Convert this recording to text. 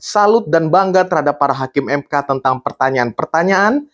salut dan bangga terhadap para hakim mk tentang pertanyaan pertanyaan